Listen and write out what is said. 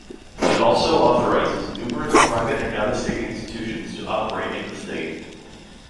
It also authorizes numerous private and out-of-state institutions to operate in the state.